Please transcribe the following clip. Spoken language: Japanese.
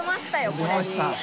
これ。